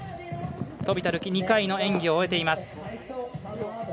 飛田流輝２回の演技を終えています。